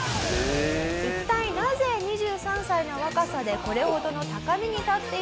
一体なぜ２３歳の若さでこれほどの高みに立っているのか？